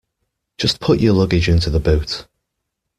Just put your luggage into the boot